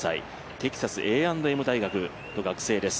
テキサスＡ＆Ｍ大学の学生です。